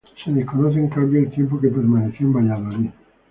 Se desconoce en cambio el tiempo que permaneció en Valladolid.